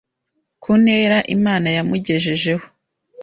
ku ntera imana yamugejejeho,